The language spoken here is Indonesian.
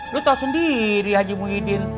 lu tahu sendiri haji muhyiddin